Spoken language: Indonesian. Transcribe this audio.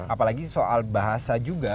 apalagi soal bahasa juga